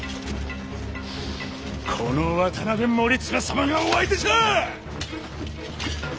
この渡辺守綱様がお相手じゃ！